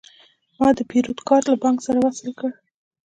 ما د پیرود کارت له بانک سره وصل کړ.